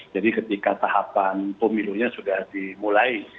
jadi ketika tahapan pemilunya sudah dimulai